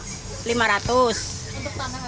untuk tanah aja